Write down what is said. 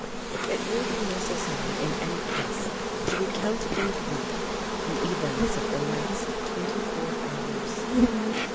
... It will be necessary in any case to recount in brief the events of the last twenty four hours.